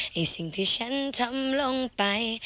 ในสิ่งที่ฉันทำลงไป